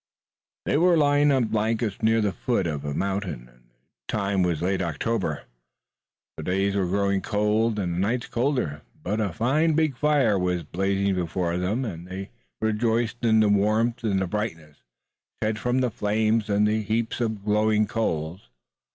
They were lying on blankets near the foot of the mountain, and the time was late October. The days were growing cold and the nights colder, but a fine big fire was blazing before them, and they rejoiced in the warmth and brightness, shed from the flames and the heaps of glowing coals.